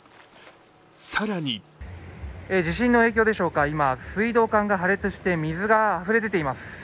更に地震の影響でしょうか、今、水道管が破裂して、水があふれ出ています。